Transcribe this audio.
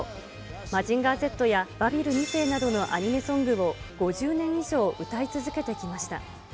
マジンガーＺやバビル２世などのアニメソングを５０年以上歌い続けてきました。